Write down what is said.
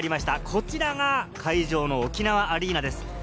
こちらが会場の沖縄アリーナです。